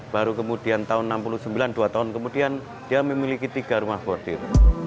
baru kemudian tahun seribu sembilan ratus enam puluh sembilan dua tahun kemudian dia memiliki tiga rumah bordil